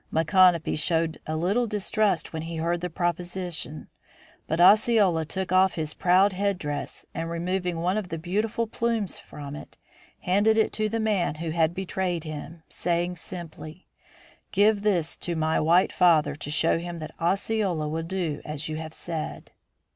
Micanopy showed a little distrust when he heard the proposition, but Osceola took off his proud head dress and removing one of the beautiful plumes from it handed it to the man who had betrayed him, saying simply: "Give this to my white father to show him that Osceola will do as you have said."